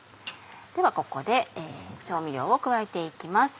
ではここで調味料を加えて行きます。